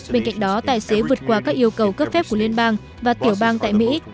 bên cạnh đó tài xế vượt qua các yêu cầu cấp phép của liên bang và tiểu bang tại mỹ